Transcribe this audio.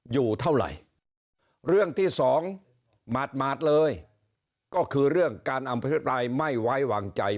อยู่เท่าไหร่เรื่องที่สองหมาดเลยก็คือเรื่องการอภิปรายไม่ไว้วางใจ